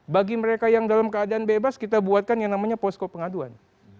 bagi mereka yang dalam keadaan bebas kita buatkan yang namanya posko pengaduan